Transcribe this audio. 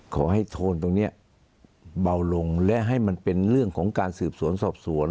โทนตรงนี้เบาลงและให้มันเป็นเรื่องของการสืบสวนสอบสวน